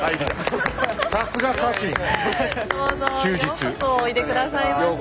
ようこそおいで下さいました。